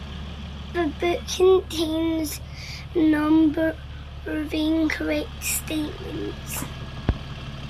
The book contains a number of incorrect statements.